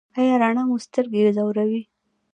ایا رڼا مو سترګې ځوروي؟